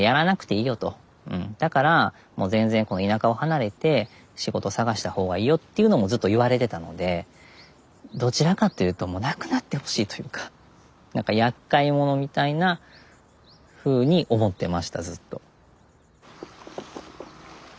だからもう全然この田舎を離れて仕事探した方がいいよっていうのもずっと言われてたのでどちらかっていうともうなくなってほしいというか何かやっかいものみたいなふうに思ってましたずっと。